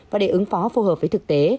và để ứng phó phù hợp với thực tế